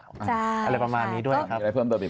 อะไรประมาณนี้ด้วยครับ